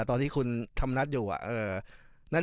ตอนที่คุณทำนัดอย่วะ